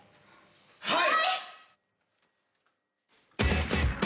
はい！